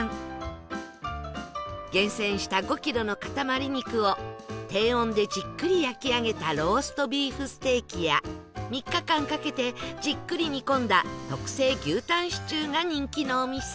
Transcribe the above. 厳選した５キロの塊肉を低温でじっくり焼き上げたローストビーフステーキや３日間かけてじっくり煮込んだ特製牛タンシチューが人気のお店